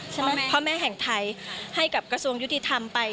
พ่อแม่แห่งไทยให้กับกระทรวงยุติธรรมไป